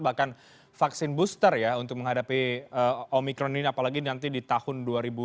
bahkan vaksin booster ya untuk menghadapi omikron ini apalagi nanti di tahun dua ribu dua puluh